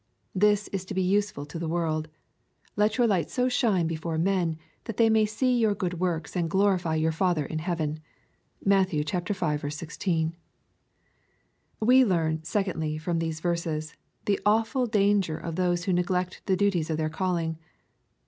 This is to be useful to the world, —" Let your light so shine before men, that they may see your good works, and glorify your Father in heaven." (Matt. v. 16.) We learn, secondly, from these verses, the awful danger of those who neglect the duties of their calling.